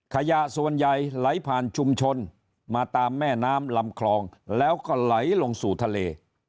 ขยะส่วนใหญ่ไหลผ่านชุมชนมาตามแม่น้ำลำคลองแล้วก็ไหลลงสู่ทะเล